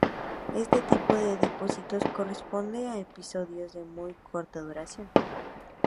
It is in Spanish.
Este tipo de depósitos corresponde a episodios de muy corta duración.